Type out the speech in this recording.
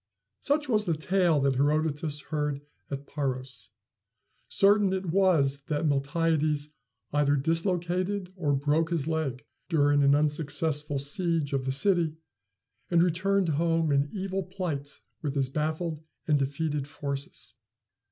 Such was the tale that Herodotus heard at Paros. Certain it was that Miltiades either dislocated or broke his leg during an unsuccessful siege of the city, and returned home in evil plight with his baffled and defeated forces.